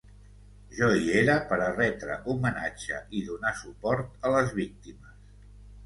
Jo hi era per a retre homenatge i donar suport a les víctimes.